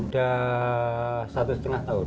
sudah satu setengah tahun